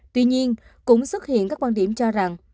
tuy nhiên cũng xuất hiện các quan điểm cho rằng